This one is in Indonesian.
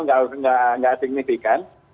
itu tidak signifikan